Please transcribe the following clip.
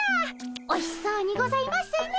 おいしそうにございますね。